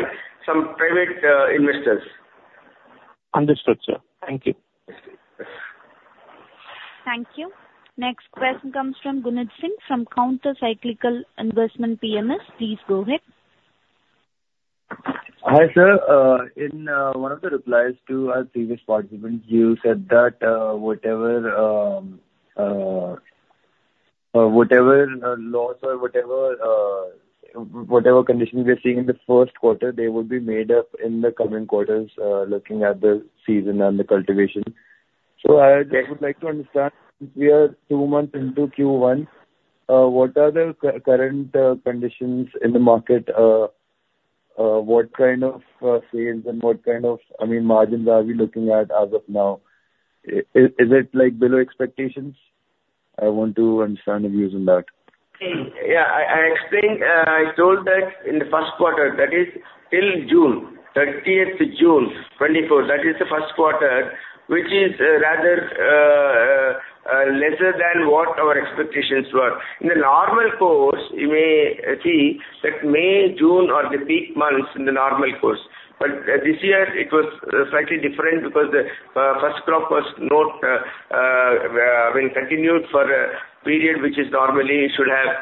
some private investors. Understood, sir. Thank you. Thank you. Next question comes from Gunit Singh from Counter Cyclical Investments PMS. Please go ahead. Hi, sir. In one of the replies to our previous participants, you said that whatever laws or whatever conditions we are seeing in the first quarter, they would be made up in the coming quarters looking at the season and the cultivation. So I would like to understand, since we are two months into Q1, what are the current conditions in the market? What kind of sales and what kind of, I mean, margins are we looking at as of now? Is it below expectations? I want to understand your views on that. Yeah. I told that in the first quarter, that is till June, 30th June, 2024. That is the first quarter, which is rather lesser than what our expectations were. In the normal course, you may see that May, June, are the peak months in the normal course. But this year, it was slightly different because the first crop was not, I mean, continued for a period which is normally should have.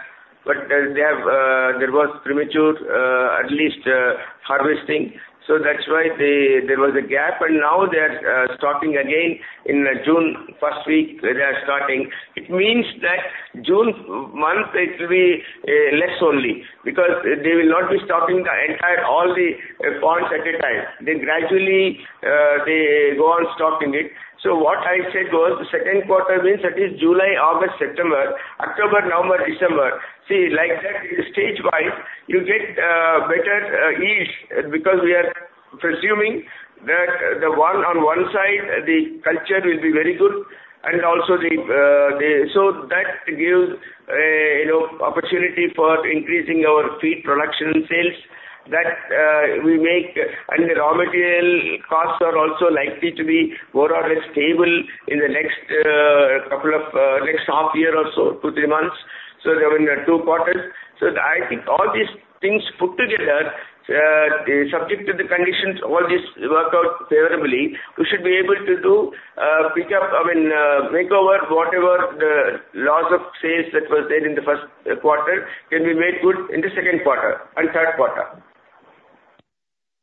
But there was premature, at least, harvesting. So that's why there was a gap. And now they are stocking again in June, first week they are stocking. It means that June month, it will be less only because they will not be stocking all the ponds at a time. They gradually go on stocking it. So what I said was the second quarter means that is July, August, September, October, November, December. See, like that, stage-wise, you get better yields because we are presuming that on one side, the culture will be very good, and also so that gives opportunity for increasing our feed production and sales that we make. And the raw material costs are also likely to be more or less stable in the next couple of next half year or so, two, three months. So there have been two quarters. So I think all these things put together, subject to the conditions, all this worked out favorably. We should be able to do pickup, I mean, makeover whatever the loss of sales that was there in the first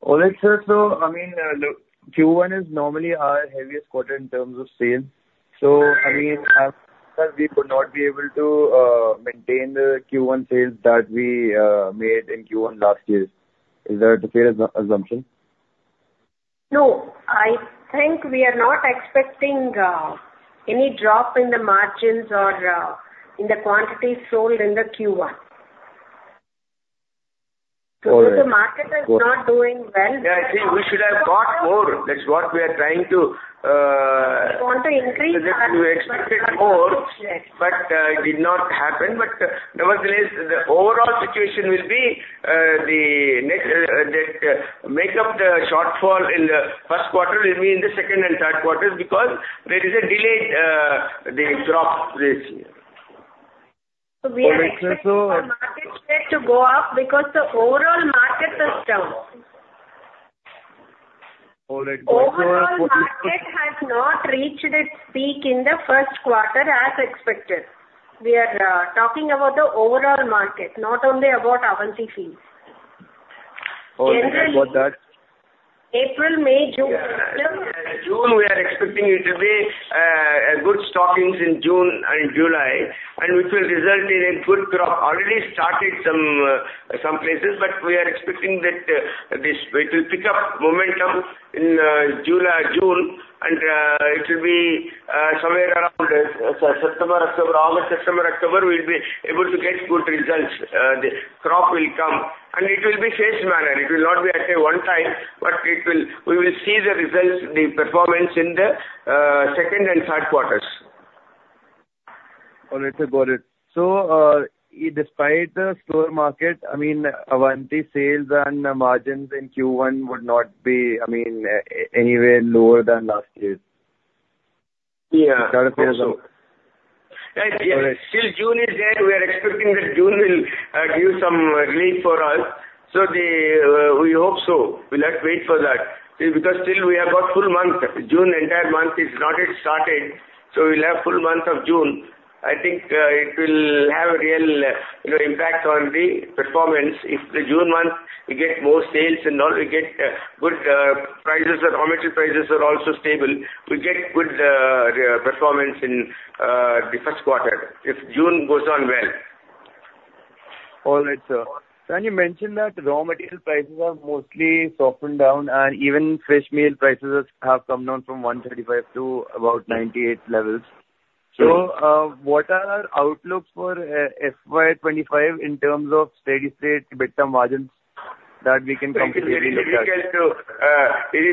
quarter can be made good in the second quarter and third quarter. Well, sir, so I mean, Q1 is normally our heaviest quarter in terms of sales. So I mean, we would not be able to maintain the Q1 sales that we made in Q1 last year. Is that a fair assumption? No. I think we are not expecting any drop in the margins or in the quantities sold in the Q1. The market is not doing well. Yeah. I think we should have bought more. That's what we are trying to. You want to increase our. We expected more, but it did not happen. But nevertheless, the overall situation will be that make up the shortfall in the first quarter will be in the second and third quarters because there is a delayed drop this year. We expect the market's rate to go up because the overall market is down. Overall market has not reached its peak in the first quarter as expected. We are talking about the overall market, not only about Avanti Feeds. Generally. What about that? April, May, June. June, we are expecting it to be good stockings in June and July, and which will result in a good crop. Already started some places, but we are expecting that it will pick up momentum in June, and it will be somewhere around September, October, August, September, October. We'll be able to get good results. The crop will come, and it will be phased manner. It will not be at a one-time, but we will see the results, the performance in the second and third quarters. All right, sir. Got it. So despite the slower market, I mean, Avanti sales and margins in Q1 would not be, I mean, anywhere lower than last year? Yeah. Start of year as well? Yeah. Still, June is there. We are expecting that June will give some relief for us. So we hope so. We'll have to wait for that because still, we have got full month. June, entire month, it's not yet started. So we'll have full month of June. I think it will have a real impact on the performance if the June month, we get more sales and all, we get good prices. The raw material prices are also stable. We get good performance in the first quarter if June goes on well. All right, sir. And you mentioned that raw material prices have mostly softened down, and even fish meal prices have come down from 135 to about 98 levels. So what are our outlooks for FY25 in terms of steady-state EBITDA margins that we can consider? It is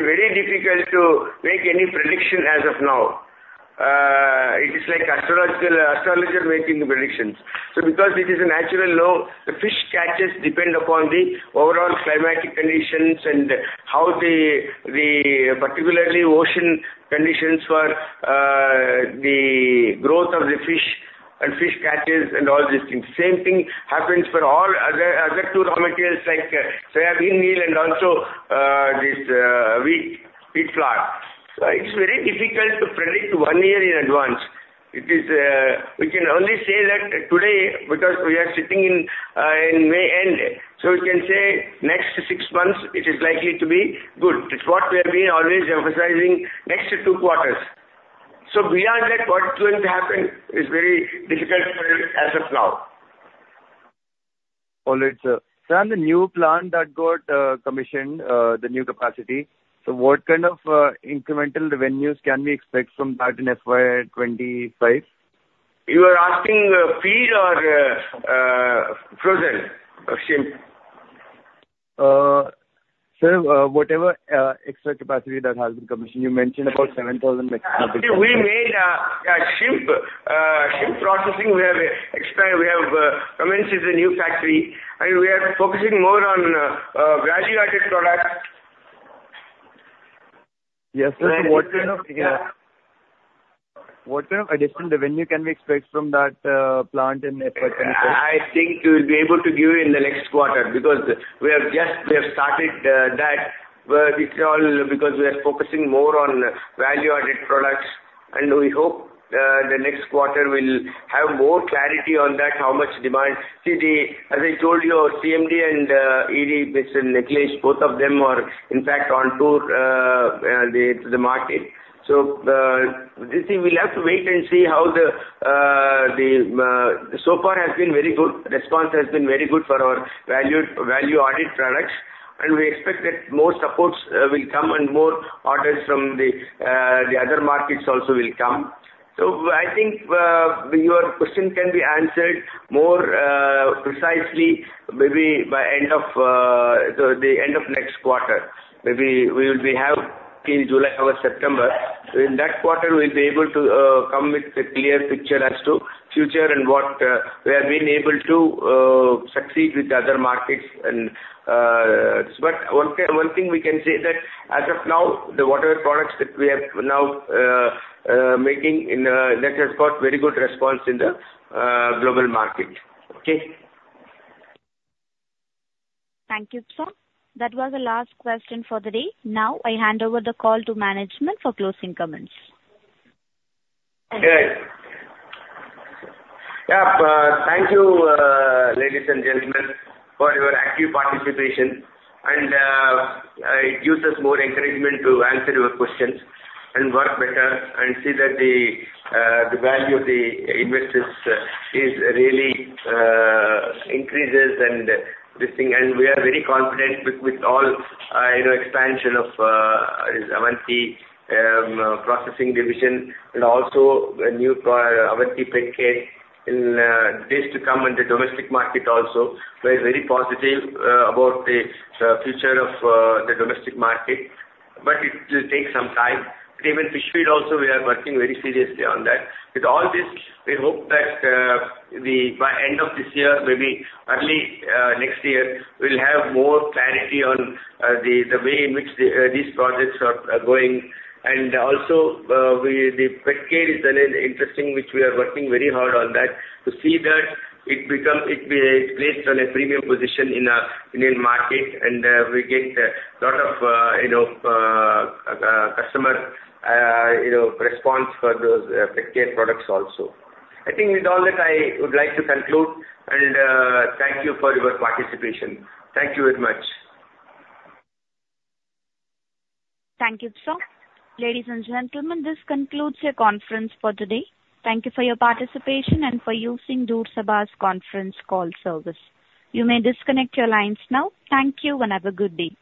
very difficult to make any prediction as of now. It is like astrologer making predictions. So because it is a natural low, the fish catches depend upon the overall climatic conditions and particularly ocean conditions for the growth of the fish and fish catches and all these things. Same thing happens for all other two raw materials soybean meal and also this wheat flour. So it is very difficult to predict one year in advance. We can only say that today because we are sitting in May end. So we can say next six months, it is likely to be good. It's what we have been always emphasizing, next two quarters. So beyond that, what's going to happen is very difficult as of now. All right, sir. Sir, on the new plant that got commissioned, the new capacity, so what kind of incremental revenues can we expect from that in FY 2025? You are asking feed or frozen shrimp? Sir, whatever extra capacity that has been commissioned. You mentioned about 7,000. Actually, we made shrimp processing. We have commenced the new factory. I mean, we are focusing more on value-added products. Yes, sir. So what kind of additional revenue can we expect from that plant in FY 2025? I think we'll be able to give in the next quarter because we have started that. It's all because we are focusing more on value-added products, and we hope the next quarter will have more clarity on that, how much demand. See, as I told you, CMD and ED, Mr. Nikhilesh, both of them are, in fact, on tour into the market. So we'll have to wait and see how the so far has been very good. Response has been very good for our value-added products, and we expect that more supports will come and more orders from the other markets also will come. So I think your question can be answered more precisely maybe by the end of next quarter. Maybe we will have till July, August, September. In that quarter, we'll be able to come with a clear picture as to future and what we have been able to succeed with the other markets. But one thing we can say that as of now, the water products that we are now making, that has got very good response in the global market. Okay? Thank you, sir. That was the last question for the day. Now, I hand over the call to management for closing comments. Yeah. Thank you, ladies and gentlemen, for your active participation. It gives us more encouragement to answer your questions and work better and see that the value of the investors really increases and this thing. We are very confident with all expansion of Avanti Processing Division and also Avanti Pet Care in days to come in the domestic market also. We are very positive about the future of the domestic market, but it will take some time. Even fish feed also, we are working very seriously on that. With all this, we hope that by end of this year, maybe early next year, we'll have more clarity on the way in which these projects are going. Also, the Pet Care is an interesting which we are working very hard on that to see that it plays on a premium position in the Indian market, and we get a lot of customer response for those Pet Care products also. I think with all that, I would like to conclude, and thank you for your participation. Thank you very much. Thank you, sir. Ladies and gentlemen, this concludes the conference for today. Thank you for your participation and for using Doorsabha's conference call service. You may disconnect your lines now. Thank you and have a good day.